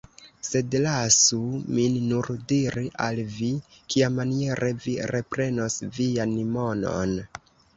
Sed lasu min nur diri al vi, kiamaniere vi reprenos vian monon.